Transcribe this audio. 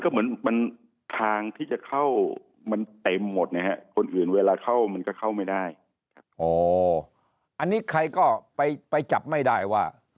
อ๋อเอนนี่ไปจับไม่ได้ว่า